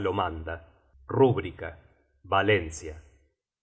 lo manda. Rubrica. Valencia.